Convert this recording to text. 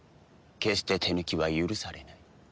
決して手抜きは許されない。